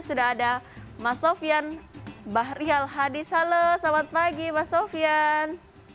sudah ada mas sofian bahrihal hadis halo selamat pagi mas sofian